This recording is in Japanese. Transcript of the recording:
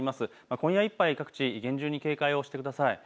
今夜いっぱい各地域、厳重に警戒してください。